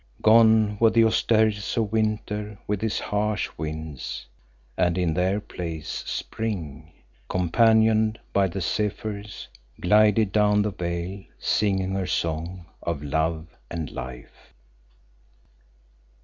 Gone were the austerities of winter with his harsh winds, and in their place spring, companioned by her zephyrs, glided down the vale singing her song of love and life.